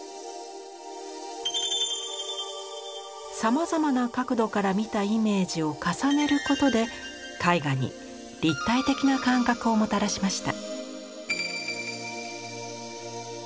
さまざまな角度から見たイメージを重ねることで絵画に立体的な感覚をもたらしました。